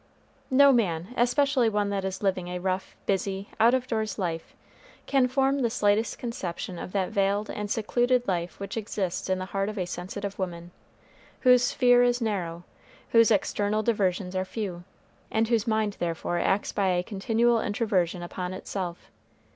No man especially one that is living a rough, busy, out of doors life can form the slightest conception of that veiled and secluded life which exists in the heart of a sensitive woman, whose sphere is narrow, whose external diversions are few, and whose mind, therefore, acts by a continual introversion upon itself.